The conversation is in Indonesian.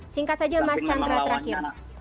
singkat saja mas chandra terakhir